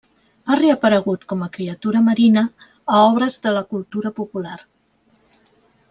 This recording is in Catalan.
Ha reaparegut com a criatura marina a obres de la cultura popular.